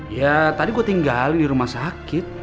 ya tadi gue tinggal di rumah sakit